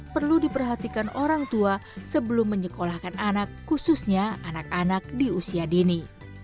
perlu diperhatikan orang tua sebelum menyekolahkan anak khususnya anak anak di usia dini